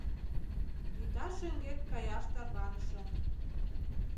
Вӱта шеҥгек каяш тарванышым.